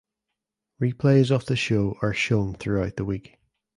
Replays of the show are shown throughout the week.